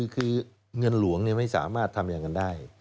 คือเงินหลวงไม่สามารถทำอย่างนั้นได้